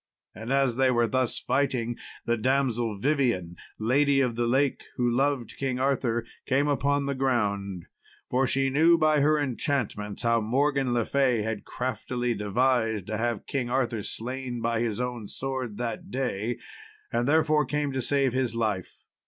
And as they were thus fighting, the damsel Vivien, lady of the lake, who loved King Arthur, came upon the ground, for she knew by her enchantments how Morgan le Fay had craftily devised to have King Arthur slain by his own sword that day, and therefore came to save his life.